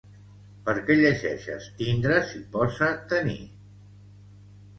Per què llegeixes tindre si posa tenir?